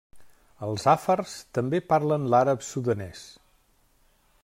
Els àfars també parlen l'àrab sudanès.